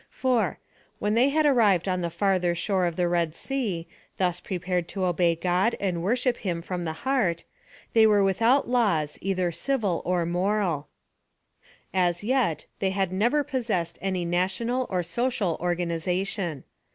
4. When they had arrived on the farther shore of the Red Sea, thus prepared to obey God and wor ship him with the heart, they were without laws either civil or moral. As yet, they had never pos sessed any national or social organization.